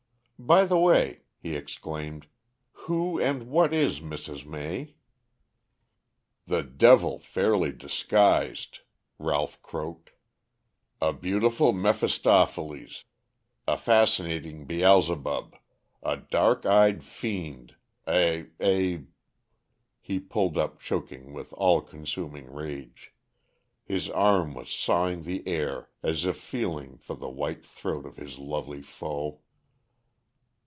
"By the way," he exclaimed, "who and what is Mrs. May?" "The devil fairly disguised," Ralph croaked. "A beautiful Mephistopheles, a fascinating Beelzebub, a dark eyed fiend, a a " He pulled up choking with all consuming rage. His arm was sawing the air as if feeling for the white throat of his lovely foe.